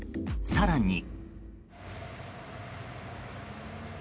更に。